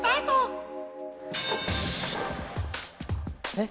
えっ？